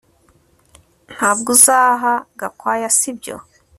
Ntabwo uzaha Gakwaya sibyo